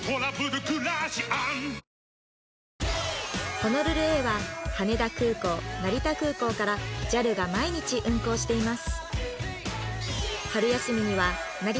ホノルルへは羽田空港成田空港からＪＡＬが毎日運航しています